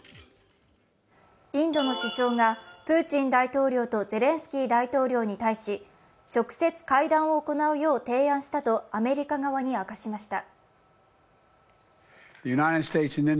インドの首相がプーチン大統領とゼレンスキー大統領に対し、直接会談を行うよう提案したとアメリカ側に明かしました。